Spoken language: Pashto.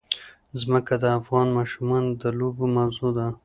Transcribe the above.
ځمکه د افغان ماشومانو د لوبو موضوع ده.